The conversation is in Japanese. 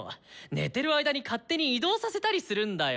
寝てる間に勝手に移動させたりするんだよ。